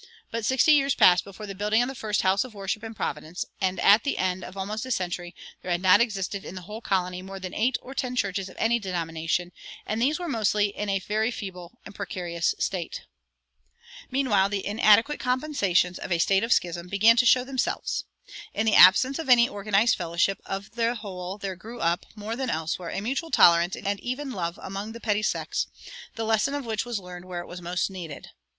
But sixty years passed before the building of the first house of worship in Providence, and at the end of almost a century "there had not existed in the whole colony more than eight or ten churches of any denomination, and these were mostly in a very feeble and precarious state."[107:1] Meanwhile the inadequate compensations of a state of schism began to show themselves. In the absence of any organized fellowship of the whole there grew up, more than elsewhere, a mutual tolerance and even love among the petty sects, the lesson of which was learned where it was most needed.